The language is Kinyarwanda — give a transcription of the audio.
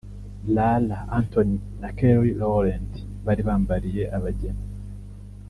Lala Anthony na Kelly Rowland bari bambariye abageni